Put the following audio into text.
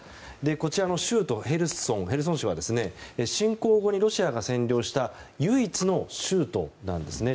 こちらの州都ヘルソンは侵攻後にロシアが占領した唯一の州都なんですね。